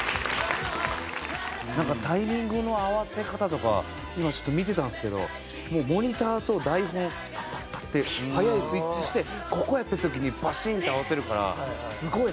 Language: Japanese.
なんかタイミングの合わせ方とか今ちょっと見てたんですけどもうモニターと台本をパッパッパッて速いスイッチしてここやっていう時にバシン！って合わせるからすごいなと思って見てました。